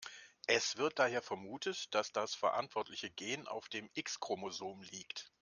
Es wird daher vermutet, dass das verantwortliche Gen auf dem X-Chromosom liegt.